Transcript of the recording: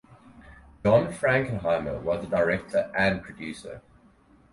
John Frankenheimer was the director and producer.